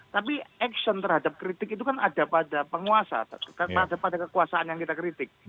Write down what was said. tapi action terhadap kritik itu kan ada pada penguasa pada kekuasaan yang kita kritik